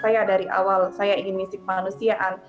saya dari awal saya ingin misik manusiaan